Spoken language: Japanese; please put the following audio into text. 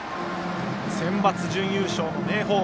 センバツ準優勝の明豊。